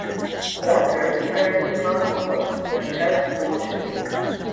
Caunter is married to Frances Wallace and has four children.